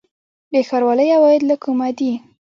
د ښاروالۍ عواید له کومه دي؟